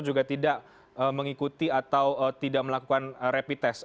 juga tidak mengikuti atau tidak melakukan repitest